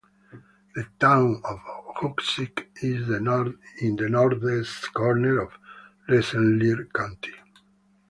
The Town of Hoosick is in the northeast corner of Rensselaer county.